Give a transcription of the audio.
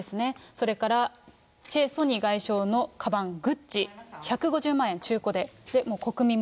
それからチェ・ソニ外相のかばん、グッチ１５０万円、中古で。